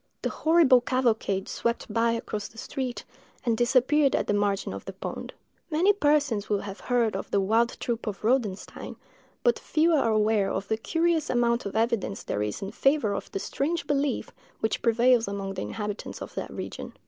The horrible cavalcade swept by across the street, and disappeared at the margin of the pond." Many persons will have heard of the "Wild Troop of Rodenstein," but few are aware of the curious amount of evidence there is in favor of the strange belief which prevails among the inhabitants of that region.